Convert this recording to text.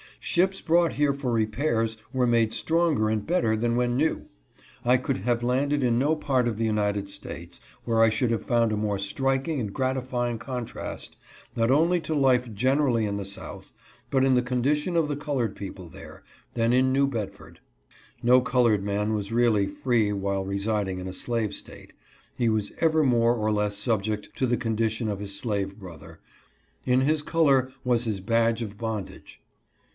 Ships brought here for repairs were made stronger and better than when new. I could have landed in no part of the United States where I should have found a more striking and gratifying contrast, not only to life generally in the South, but in the condition of the colored people there, than in New Bedford. No col ored man was really free while residing in a slave State. He was ever more or less subject to the condition of his slave brother. In his color was his badge of bondage.